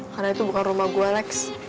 karena itu bukan rumah gue lex